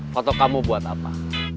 foto kamu buat apa